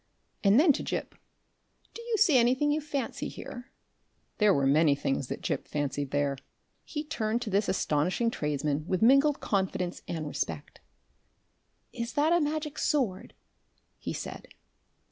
And then to Gip, "Do you see anything you fancy here?" There were many things that Gip fancied there. He turned to this astonishing tradesman with mingled confidence and respect. "Is that a Magic Sword?" he said.